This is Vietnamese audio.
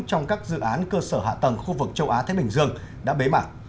trong các dự án cơ sở hạ tầng khu vực châu á thái bình dương đã bế mạc